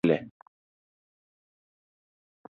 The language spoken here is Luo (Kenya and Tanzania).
Kare ulimoru pile